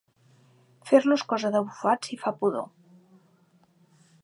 Fer-lo és cosa de bufats, i fa pudor.